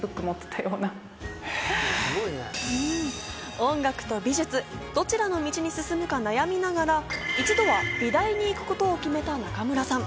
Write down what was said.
音楽と美術、どちらの道に進むか悩みながら、一度は美大に行くことを決めた中村さん。